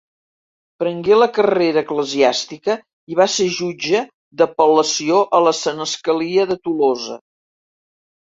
Prengué la carrera eclesiàstica i va ser jutge d'apel·lació a la senescalia de Tolosa.